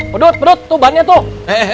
pedut pedut tuh bannya tuh